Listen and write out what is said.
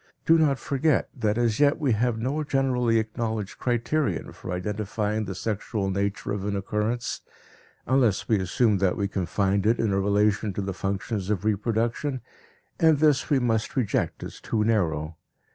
Do not forget that as yet we have no generally acknowledged criterion for identifying the sexual nature of an occurrence, unless we assume that we can find it in a relation to the functions of reproduction, and this we must reject as too narrow.